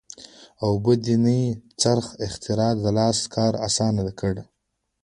اوبدنې د څرخ اختراع د لاس کار اسانه کړ.